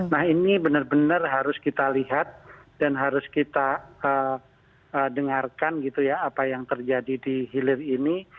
nah ini benar benar harus kita lihat dan harus kita dengarkan gitu ya apa yang terjadi di hilir ini